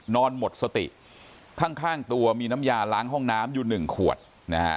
นอนหมดสติข้างตัวมีน้ำยาล้างห้องน้ำอยู่หนึ่งขวดนะฮะ